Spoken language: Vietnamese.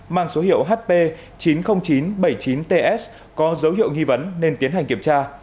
mang số hiệu hp chín trăm linh chín bảy mươi chín ts có dấu hiệu nghi vấn nên tiến hành kiểm tra